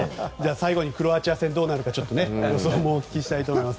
最後にクロアチア戦がどうなるか気になりますのでお聞きしたいと思います。